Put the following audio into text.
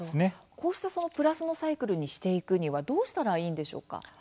こうしたプラスのサイクルにしていくにはどうしたらいいんでしょうか？